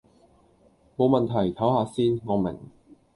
無問題，抖下先，我明